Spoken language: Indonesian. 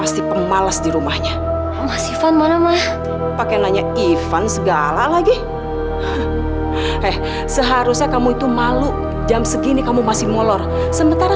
sampai jumpa di video selanjutnya